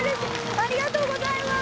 ありがとうございます。